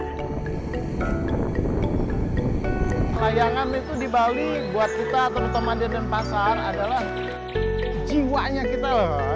layangan itu di bali buat kita terutama di denpasar adalah jiwanya kita loh